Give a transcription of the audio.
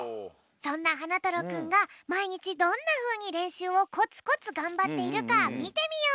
そんなはなたろうくんがまいにちどんなふうにれんしゅうをコツコツがんばっているかみてみよう。